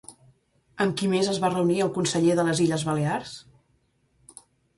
Amb qui més es va reunir el conseller de les Illes Balears?